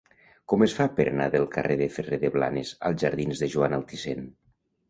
Com es fa per anar del carrer de Ferrer de Blanes als jardins de Joan Altisent?